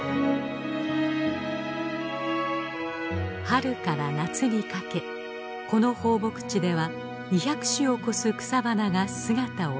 春から夏にかけこの放牧地では２００種を超す草花が姿を見せます。